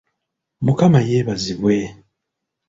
Mukama yeebazibwe!